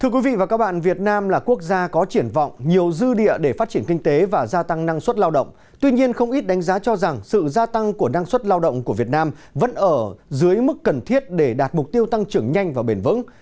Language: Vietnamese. các bạn hãy đăng ký kênh để ủng hộ kênh của chúng mình nhé